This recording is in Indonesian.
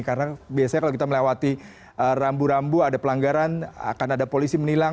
karena biasanya kalau kita melewati rambu rambu ada pelanggaran akan ada polisi menilang